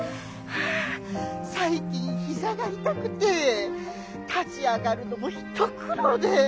最近膝が痛くて立ち上がるのも一苦労で」。